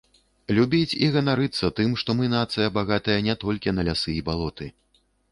Любіць і ганарыцца тым, што мы нацыя, багатая не толькі на лясы і балоты.